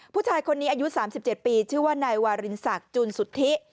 ผู้ชายคนนี้อายุ๓๗ปีชื่อว่านายวารินศักดิ์จุนสุทธิ